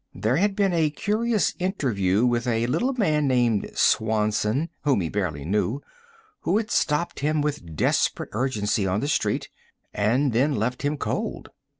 There had been a curious interview with a little man named Swanson, whom he barely knew, who had stopped him with desperate urgency on the street and then left him cold.